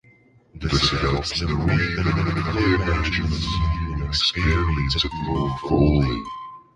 This helps the reader to imagine the scene and to experience it more fully.